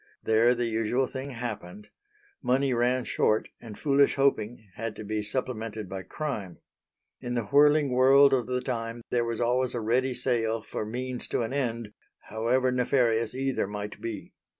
There the usual thing happened. Money ran short and foolish hoping had to be supplemented by crime. In the whirling world of the time there was always a ready sale for means to an end, however nefarious either might be.